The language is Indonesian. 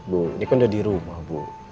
bu ini kan udah di rumah bu